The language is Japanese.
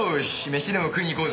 飯でも食いに行こうぜ！